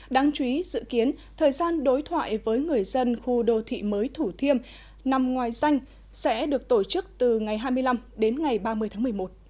đáng chú ý dự kiến thời gian đối thoại với người dân khu đô thị mới thủ thiêm nằm ngoài danh sẽ được tổ chức từ ngày hai mươi năm đến ngày ba mươi tháng một mươi một